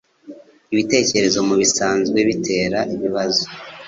Ibitekerezo mubisanzwe bitera ibibazo